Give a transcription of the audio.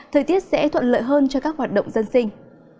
thời tiết sẽ thuận lợi hơn cho các hoạt động dân sinh